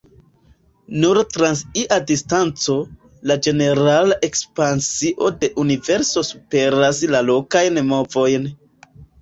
Nur trans ia distanco, la ĝenerala ekspansio de Universo superas la lokajn movojn.